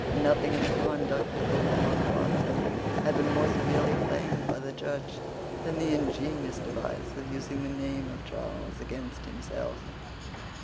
Nothing in the conduct of the Long Parliament had been more severely blamed by the Church than the ingenious device of using the name of Charles against himself.